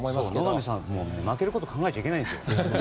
野上さん、負けること考えちゃいけないです。